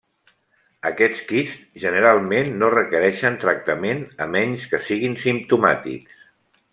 Aquests quists generalment no requereixen tractament a menys que siguin simptomàtics.